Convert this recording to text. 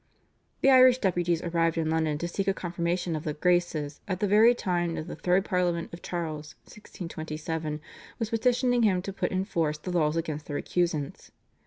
" The Irish deputies arrived in London to seek a confirmation of the "Graces" at the very time that the third Parliament of Charles (1627) was petitioning him to put in force the laws against the Recusants.